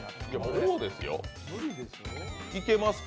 王ですよ、いけますか？